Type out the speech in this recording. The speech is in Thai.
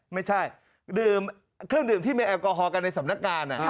ไม่ใช่ดื่มเครื่องดื่มที่มีแอลกอฮอลกันในสำนักงาน